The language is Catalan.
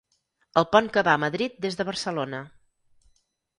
El pont que va a Madrid des de Barcelona.